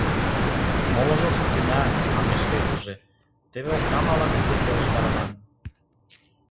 — Молыжым шуктена, — манеш весыже, — теве окнам ала-кузе келыштарыман.